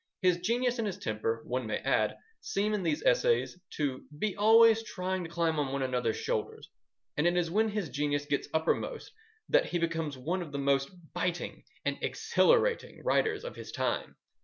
His genius and his temper, one may add, seem, in these essays, to, be always trying to climb on one another's shoulders, and it is when his genius gets uppermost that he becomes one of the most biting and exhilarating writers of his time.